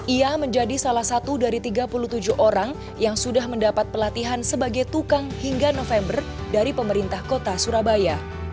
ia menjadi salah satu dari tiga puluh tujuh orang yang sudah mendapat pelatihan sebagai tukang hingga november dari pemerintah kota surabaya